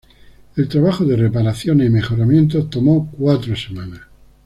El trabajo de reparaciones y mejoramiento tomó cuatro semanas.